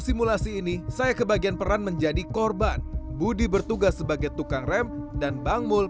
simulasi ini saya kebagian peran menjadi korban budi bertugas sebagai tukang rem dan bangmul